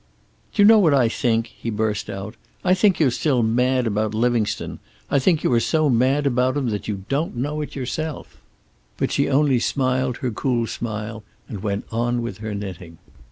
"Do you know what I think?" he burst out. "I think you're still mad about Livingstone. I think you are so mad about him that you don't know it yourself." But she only smiled her cool smile and went on with her knitting.